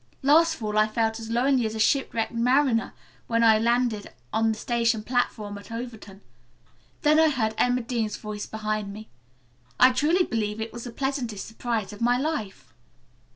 Last fall I felt as lonely as a shipwrecked mariner when I landed on the station platform at Overton. Then I heard Emma Dean's voice behind me. I truly believe that was the pleasantest surprise of my life."